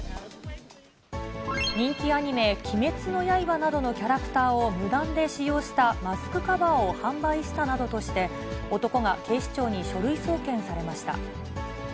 人気アニメ、鬼滅の刃などのキャラクターを無断で使用したマスクカバーを販売したなどとして、男が警視庁に書類送検されました。